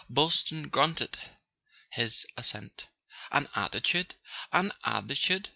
Boylston grunted his assent. "An attitude—an attitude?"